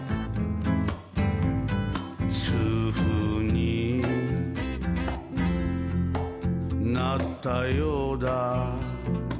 「痛風になったようだ」